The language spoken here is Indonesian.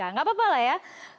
nggak apa apa lah ya